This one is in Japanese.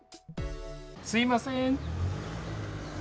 すみません。